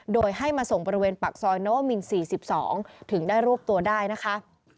โดยให้มาส่งบริเวณปากซอยนวมิน๔๒ถึงได้รวบตัวได้นะคะ